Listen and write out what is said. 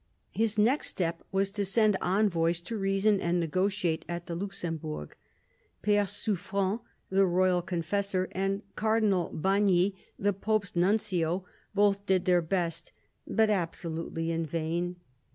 His next step was to send envoys to reason and negotiate at the Luxembourg. Pere Suffren, the royal confessor, and Cardinal Bagni, the Pope's Nuncio, both did their best, but absolutely in vain.